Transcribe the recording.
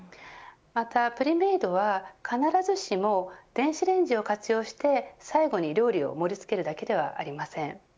またプリメイドは必ずしも電子レンジを活用して最後に料理を盛り付けるだけではありません。